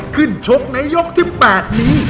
ขึ้นชกในยกที่๘นี้